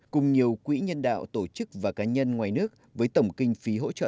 cùng nhiều quỹ nhân đạo tổ chức và cá nhân ngoài nước với tổng kinh phí hỗ trợ